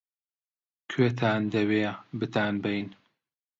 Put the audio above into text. -کوێتان دەوێ بتانبەین؟